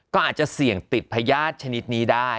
ก็อาจจะเสี่ยงติดพญาติชนิดนี้ได้